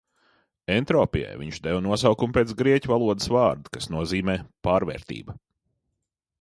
"Entropijai viņš deva nosaukumu pēc grieķu valodas vārda, kas nozīmē "pārvērtība"."